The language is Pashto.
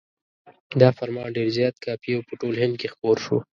دا فرمان ډېر زیات کاپي او په ټول هند کې خپور شو.